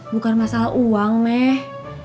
bukan masalah uang meh